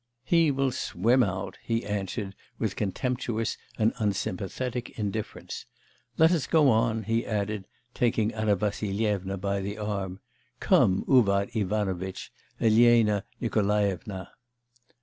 'He will swim out,' he answered with contemptuous and unsympathetic indifference. 'Let us go on,' he added, taking Anna Vassilyevna by the arm. 'Come, Uvar Ivanovitch, Elena Nikolaevna.